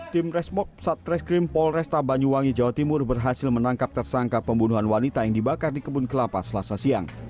tim resmok satreskrim polresta banyuwangi jawa timur berhasil menangkap tersangka pembunuhan wanita yang dibakar di kebun kelapa selasa siang